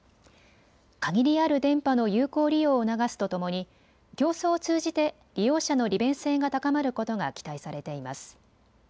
限りある電波の有効利用を促すとともに競争を通じて利用者の利便性が高まることが期待されています。